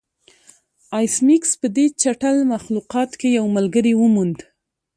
ایس میکس په دې چټل مخلوق کې یو ملګری وموند